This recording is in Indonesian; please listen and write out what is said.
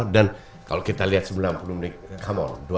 dan kalau kita liat sembilan puluh menit